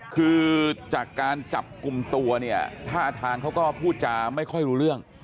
คือจากการจับกลุ่มตัวเนี่ยท่าทางเขาก็พูดจาไม่ค่อยรู้เรื่อง